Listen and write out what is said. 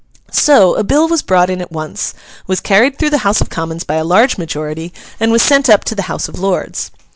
So, a bill was brought in at once, was carried through the House of Commons by a large majority, and was sent up to the House of Lords.